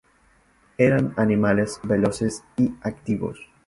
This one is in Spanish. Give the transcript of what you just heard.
Eran animales veloces y activos.